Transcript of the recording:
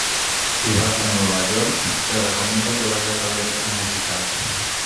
Si vas a Nueva York te recomiendo que vayas a ver un musical.